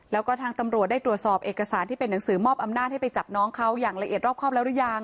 แล้วก็ทางตำรวจได้ตรวจสอบเอกสารที่เป็นหนังสือมอบอำนาจให้ไปจับน้องเขาอย่างละเอียดรอบครอบแล้วหรือยัง